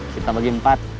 kita bagi empat